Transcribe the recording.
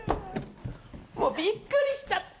もうびっくりしちゃ。